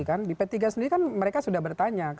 kan mereka sudah bertanya